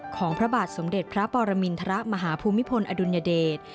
พระบาทสมเด็จพระปรมินทรมาฮภูมิพลอดุลยเดช